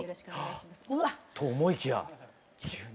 うわっ。と思いきや急に。